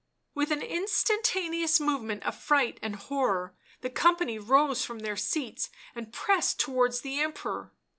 With an instantaneous movement of fright and horror, the company rose from their seats and pressed towards the Emperor.